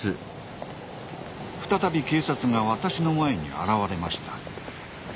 再び警察が私の前に現れました。